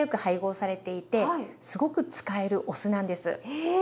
へえ。